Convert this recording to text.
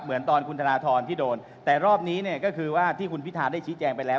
เหมือนตอนคุณธนทรที่โดนแต่รอบนี้เนี่ยก็คือว่าที่คุณพิธาได้ชี้แจงไปแล้ว